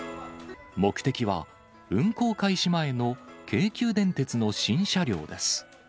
目的は、運行開始前の京急電鉄の新車両です。